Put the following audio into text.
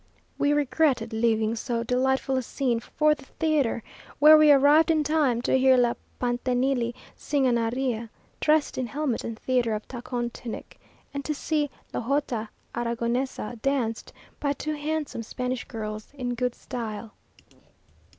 We regretted leaving so delightful a scene for the theatre, where we arrived in time to hear La Pantanelli sing an aria, dressed in helmet and Theatre of Tacon tunic, and to see La Jota Arragonesa danced by two handsome Spanish girls in good style.